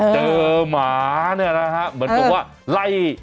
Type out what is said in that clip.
หมาเนี่ยนะฮะเหมือนกับว่าไล่